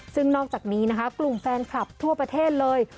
ซึ่งนอกจากนี้นะคะกลุ่มแฟนคลับทั่วประเทศเลย